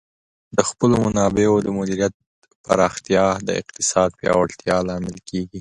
د خپلو منابعو د مدیریت پراختیا د اقتصاد پیاوړتیا لامل کیږي.